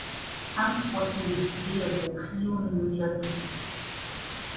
Tanto orgulho de verde reúne no jardim.